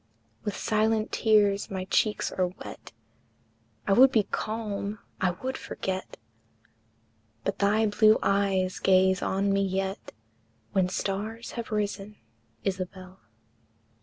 With silent tears my cheeks are wet, I would be calm, I would forget, But thy blue eyes gaze on me yet, When stars have risen, Isabel.